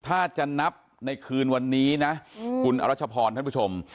ถ้าจะนับในคืนวันนี้นะคุณอรัชพรท่านผู้ชม